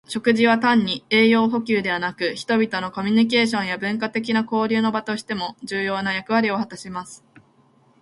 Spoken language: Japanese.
食事は単に栄養補給だけでなく、人々のコミュニケーションや文化的な交流の場としても重要な役割を果たします。